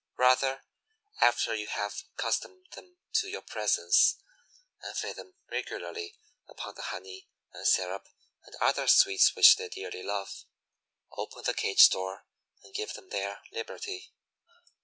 Rather, after you have accustomed them to your presence, and fed them regularly upon the honey and syrup and other sweets which they dearly love, open the cage door and give them their liberty.